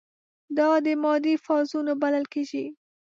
دا د مادې فازونه بلل کیږي.